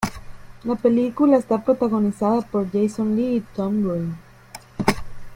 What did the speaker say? La película está protagonizada por Jason Lee y Tom Green.